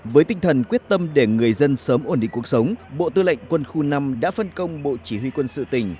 với tinh thần quyết tâm để người dân sớm ổn định cuộc sống bộ tư lệnh quân khu năm đã phân công bộ chỉ huy quân sự tỉnh